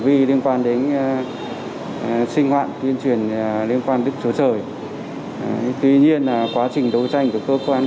cái việc mà tập trung liên quan đến sinh hoạt trong mùa dịch cũng tiềm ẩn nhiều nguy cơ liên quan đến nơi đang dịch bệnh